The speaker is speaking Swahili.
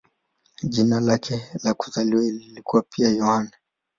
Jina lake la kuzaliwa lilikuwa pia "Yohane".